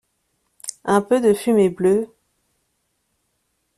Un peu de fumée bleue...